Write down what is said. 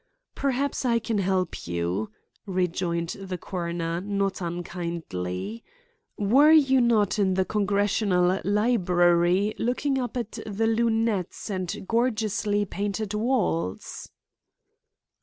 "Perhaps I can help you," rejoined the coroner, not unkindly. "Were you not in the Congressional Library looking up at the lunettes and gorgeously painted walls?"